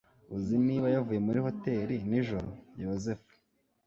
uzi niba yavuye muri hoteri nijoro? yozefu